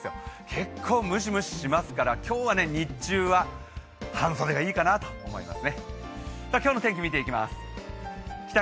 結構、ムシムシしますから今日は日中は半袖がいいかなと思います。